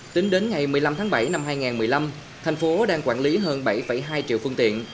tính đến ngày một mươi năm tháng bảy năm hai nghìn một mươi năm thành phố đang quản lý hơn bảy hai triệu phương tiện